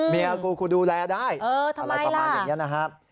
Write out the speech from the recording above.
เมียกูกูดูแลได้อะไรประมาณอย่างนี้นะครับ